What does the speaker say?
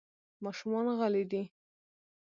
ماشومان غلي دي .